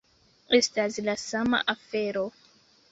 Estas la sama afero.